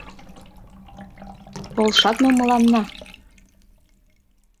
Полшат мо мыланна?